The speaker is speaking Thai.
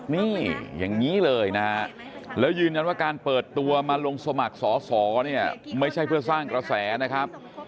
นี่อย่างนี้เลยนะฮะแล้วยืนยันว่าการเปิดตัวมาลงสมัครสอสอเนี่ยไม่ใช่เพื่อสร้างกระแสนะครับ